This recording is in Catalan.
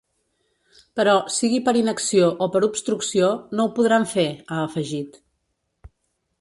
Però, sigui per inacció o per obstrucció, no ho podran fer, ha afegit.